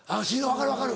分かる分かる。